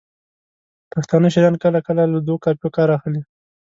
پښتانه شاعران کله کله له دوو قافیو کار اخلي.